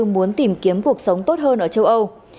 muốn tìm kiếm cuộc sống tốt hơn ở tripoli